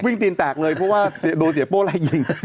ตีนแตกเลยเพราะว่าโดนเสียโป้ไล่ยิง